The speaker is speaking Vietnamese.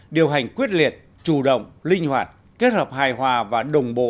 điều hành quyết liệt chủ động linh hoạt kết hợp hài hòa và đồng bộ